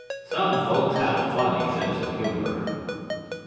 Some folks have a funny sense of humor."